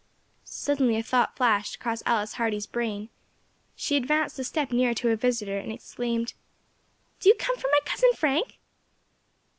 Suddenly a thought flashed across Alice Hardy's brain. She advanced a step nearer to her visitor, and exclaimed "Do you come from my cousin Frank?"